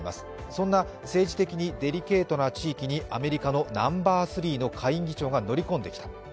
そんな政治的にデリケートな次期にアメリカのナンバーツーの下院議長が乗り込んできた。